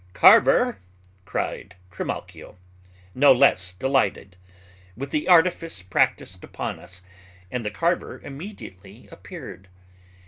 "Carver," cried Trimalchio, no less delighted with the artifice practised upon us, and the carver appeared immediately.